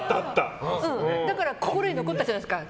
だから心に残ったじゃないですか。